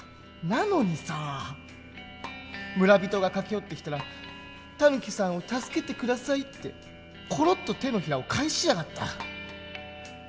なのにさ村人が駆け寄ってきたら「タヌキさんを助けて下さい」ってコロッと手のひらを返しやがった。